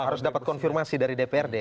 harus dapat konfirmasi dari dprd